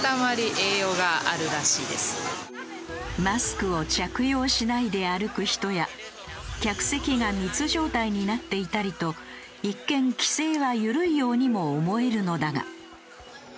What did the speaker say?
マスクを着用しないで歩く人や客席が密状態になっていたりと一見規制は緩いようにも思えるのだが。